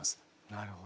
なるほど。